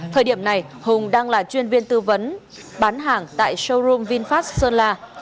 thời điểm này hùng đang là chuyên viên tư vấn bán hàng tại showroom vinfast sơn la